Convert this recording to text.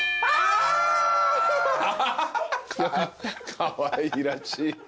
かわいらしい。